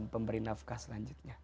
pemberi nafkah selanjutnya